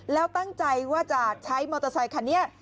แล้วตั้งใจว่าจะใช้มอเตอร์ไซคันนี้